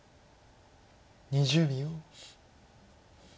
２０秒。